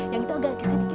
yang itu agak geser sedikit